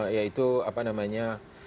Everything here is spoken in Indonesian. yaitu apa namanya